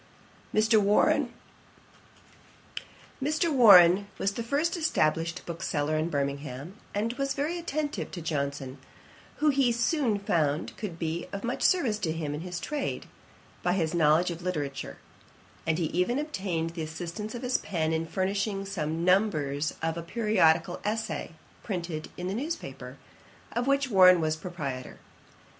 Mr. Warren was the first established bookseller in Birmingham, and was very attentive to Johnson, who he soon found could be of much service to him in his trade, by his knowledge of literature; and he even obtained the assistance of his pen in furnishing some numbers of a periodical Essay printed in the news paper, of which Warren was proprietor.